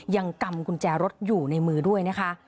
กำกุญแจรถอยู่ในมือด้วยนะคะ